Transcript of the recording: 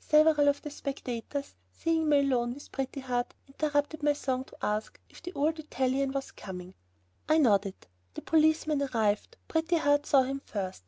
Several of the spectators, seeing me alone with Pretty Heart, interrupted my song to ask if the "old Italian" was coming. I nodded. The policeman arrived. Pretty Heart saw him first.